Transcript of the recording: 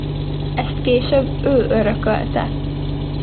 Ezt később ő örökölte.